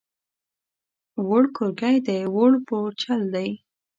ووړ کورګی دی، ووړ بوجل دی.